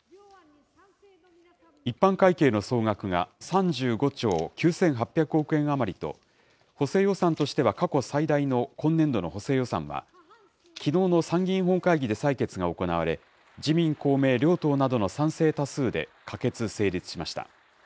一般会計の総額が３５兆９８００億円余りと、補正予算としては過去最大の今年度の補正予算は、きのうの参議院本会議で採決が行われ、自民、公明両党などの賛成多数で、可決・成立しました。